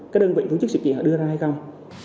các đơn vị tổ chức sự kiện họ đưa ra hay không